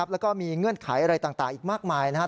แล้วก็มีเงื่อนไขอะไรต่างอีกมากมายนะครับ